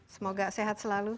semoga sehat selalu